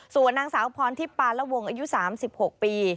ส่วนนางสาวพรทิพย์ปาละวงอายุ๓๖ปี